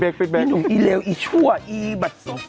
เก็บเก็บ